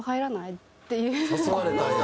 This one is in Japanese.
誘われたんや。